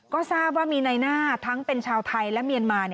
ก็ทราบว่ามีในหน้าทั้งเป็นชาวไทยและเมียนมา